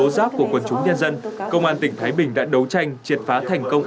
giáp của quân chúng nhân dân công an tỉnh thái bình đã đấu tranh triệt phá thành công